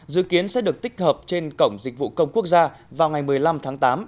dự kiến sẽ được tích hợp trên cổng dịch vụ công quốc gia vào ngày một mươi năm tháng tám